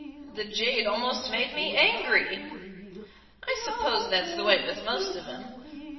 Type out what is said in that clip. "The jade almost made me angry." "I suppose that's the way with most of 'em.